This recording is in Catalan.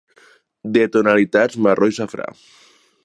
De tonalitats marró i safrà.